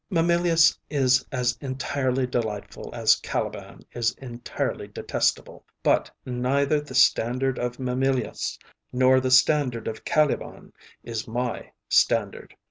Mamilius is as entirely delightful as Caliban is entirely detestable, but neither the standard of Mamilius nor the standard of Caliban is my standard.